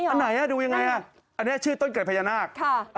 อันไหนดูยังไงอันนี้ชื่อต้นเกิดพญานาค